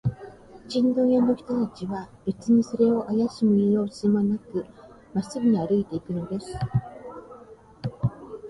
チンドン屋の人たちは、べつにそれをあやしむようすもなく、まっすぐに歩いていくのです。